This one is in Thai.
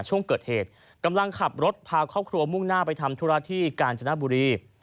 ช่วงเกิดเหตุกำลังขับรถพาครอบครัวมุ่งหน้าไปทำธุระที่กาญจนบุรี